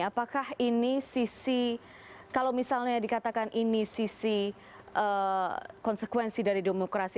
apakah ini sisi kalau misalnya dikatakan ini sisi konsekuensi dari demokrasi